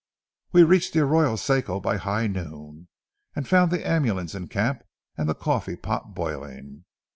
We reached the Arroyo Seco by high noon, and found the ambulance in camp and the coffee pot boiling.